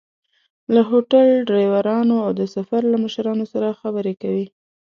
له هوټل، ډریورانو او د سفر له مشرانو سره خبرې کوي.